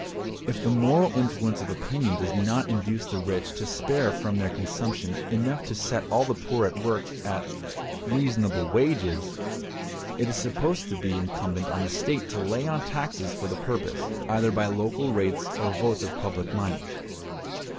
If the moral influence of opinion does not induce the rich to spare from their consumption enough to set all the poor at work at "reasonable wages," it is supposed to be incumbent on the state to lay on taxes for the purpose, either by local rates or votes of public money.